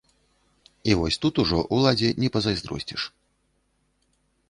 І вось тут ужо ўладзе не пазайздросціш.